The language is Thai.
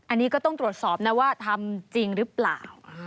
อันนี้ก็ต้องตรวจสอบนะว่าทำจริงหรือเปล่า